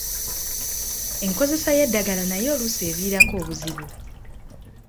Enkozesa y’eddagala n’ayo oluusi eviirako obuzibu.